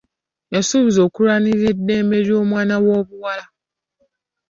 Yasuubiza okulwanirira eddembe ly'omwana w'obuwala.